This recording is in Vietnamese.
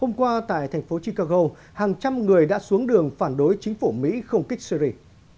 hôm qua tại thành phố chicago hàng trăm người đã xuống đường phản đối chính phủ mỹ không kích syri